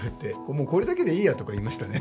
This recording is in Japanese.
もうこれだけでいいやとか言いましたね。